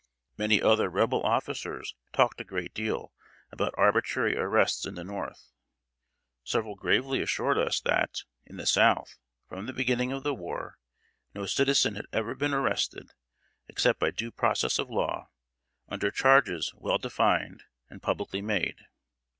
Many other Rebel officers talked a great deal about arbitrary arrests in the North. Several gravely assured us that, in the South, from the beginning of the war, no citizen had ever been arrested, except by due process of law, under charges well defined, and publicly made.